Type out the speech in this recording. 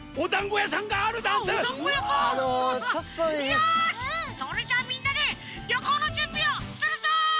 よしそれじゃあみんなでりょこうのじゅんびをするぞ！